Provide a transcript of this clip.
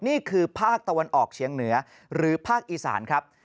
นี่คือภาคตะวันออกเฉียงเหนือหรือภาคอีสานครับ